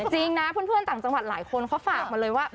จริงนะเพื่อนต่างจังหวัดหลายคนเขาฝากมาเลยว่า